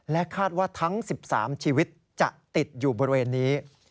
คาดว่าทั้ง๑๓ชีวิตจะติดอยู่บริเวณนี้